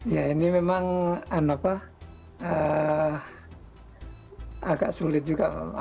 ya ini memang agak sulit juga